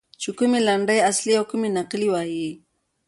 چې کومې لنډۍ اصلي او کومې نقلي ووایي.